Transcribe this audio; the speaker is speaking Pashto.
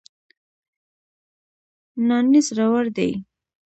نانی زړور دی